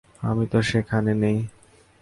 আমি তো সেখানে নেই।